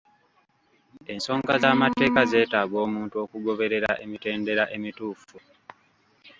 Ensonga z'amateeka zeetaaga omuntu okugoberera emitendera emituufu.